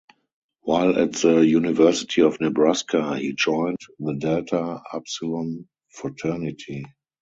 While at the University of Nebraska he joined The Delta Upsilon Fraternity.